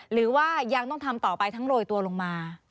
หรือว่ายังต้องทำต่อไปทั้งโรยตัวลงมา